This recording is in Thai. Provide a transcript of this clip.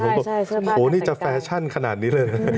ผมคิดว่าโอ้โฮนี่จะแฟชั่นขนาดนี้เลย